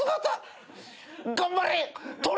頑張れ！